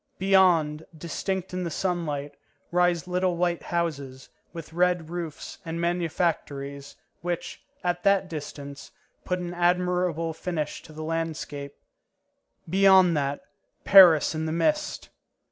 Beyond, distinct in the sunlight, rise little white houses, with red roofs, and manufactories, which, at that distance, put an admirable finish to the landscape. Beyond that, Paris in the mist!